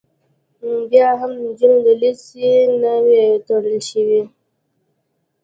بیا هم د نجونو لیسې نه وې تړل شوې